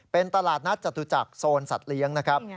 เป็นตลาดนัดจตุจักรโซนสัตว์เลี้ยงนะครับ